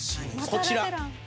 こちら。